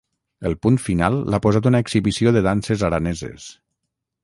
El punt final l’ha posat una exhibició de danses araneses.